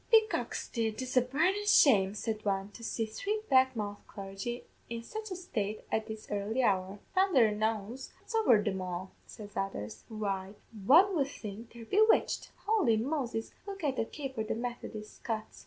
"'Be goxty, it's a burnin' shame,' said one, 'to see three black mouth clargy in sich a state at this early hour!' 'Thundher an' ounze, what's over them at all?' says others; 'why, one would think they're bewitched. Holy Moses, look at the caper the Methodis cuts!